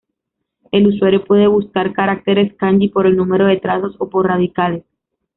El usuario puede buscar caracteres Kanji por el número de trazos o por radicales.